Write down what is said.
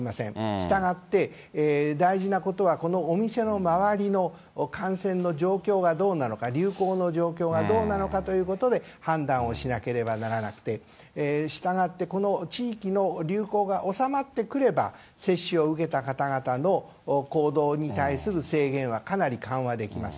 したがって、大事なことは、このお店の周りの感染の状況がどうなのか、流行の状況がどうなのかということで、判断をしなければならなくて、したがって、この地域の流行が収まってくれば、接種を受けた方々の行動に対する制限はかなり緩和できます。